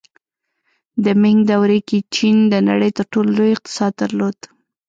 د مینګ دورې کې چین د نړۍ تر ټولو لوی اقتصاد درلود.